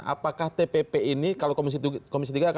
apakah tpp ini kalau komisi tiga